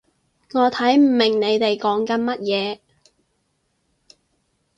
我睇唔明你哋講緊乜嘢